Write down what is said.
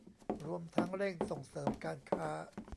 รวมทั้งเร่งส่งเสริมการค้า